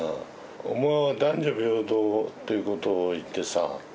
お前は男女平等ということを言ってさ